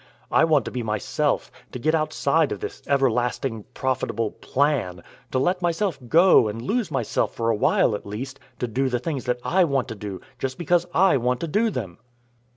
I want to be myself to get outside of this everlasting, profitable 'plan' to let myself go, and lose myself for a while at least to do the things that I want to do, just because I want to do them."